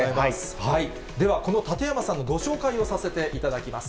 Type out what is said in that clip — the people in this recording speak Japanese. ではこの館山さんのご紹介をさせていただきます。